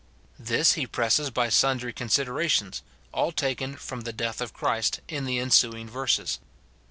This he presses by sundry considerations, all taken from the death of Christ, in the ensuing verses.